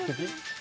あ！